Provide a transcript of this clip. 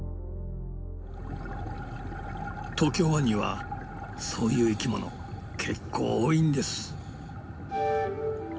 東京湾にはそういう生きものけっこう多いんです。